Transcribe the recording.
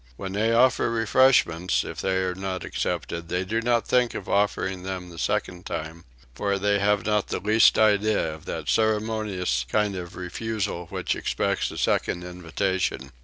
When they offer refreshments if they are not accepted they do not think of offering them the second time; for they have not the least idea of that ceremonious kind of refusal which expects a second invitation.